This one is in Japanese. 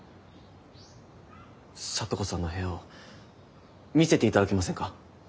咲都子さんの部屋を見せていただけませんか？